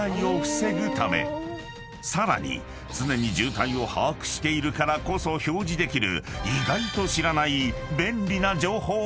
［さらに常に渋滞を把握しているからこそ表示できる意外と］